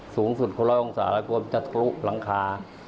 สูงสุด๑๐๐องศาเซลเซียสแล้วกลัวมันจะทุกข์หลังคา